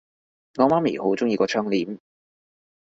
我媽咪好鍾意個窗簾